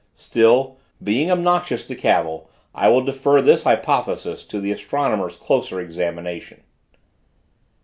Still, being obnoxious to cavil, I will defer this hypothesis to the astronomer's closer examination.